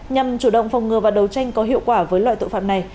nhằm chủ động phòng ngừa và đấu tranh có hiệu quả với loại tội phạm này